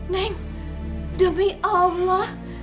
neng demi allah